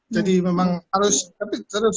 jadi memang harus ada hikmah yang diberikan